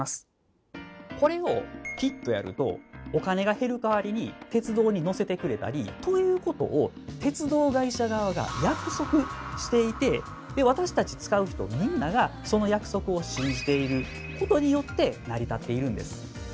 これをピッとやるとお金が減るかわりに鉄道に乗せてくれたりということを鉄道会社側が約束していて私たち使う人みんながその約束を信じていることによって成り立っているんです。